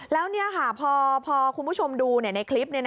แล้วพอคุณผู้ชมดูในคลิป